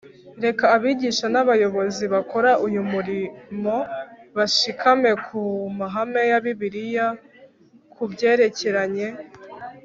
reka abigisha n'abayobozi bakora uyu murimo bashikame ku mahame ya bibiliya ku byerekeranye